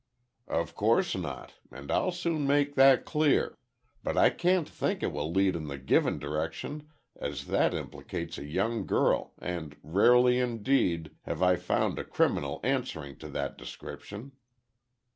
"Of course not, and I'll soon make that clear. But I can't think it will lead in the given direction as that implicates a young girl, and rarely indeed, have I found a criminal answering to that description."